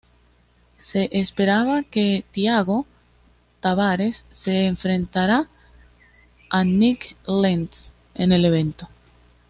Se esperaba que Thiago Tavares se enfrentará a Nik Lentz en el evento.